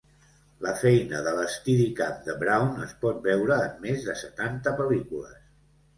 La feina de l'Steadicam de Brown es pot veure en més de setanta pel·lícules.